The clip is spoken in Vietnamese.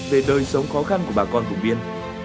về đời sống khó khăn của bà con vùng biên